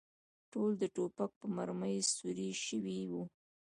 ټول د ټوپک په مرمۍ سوري شوي و.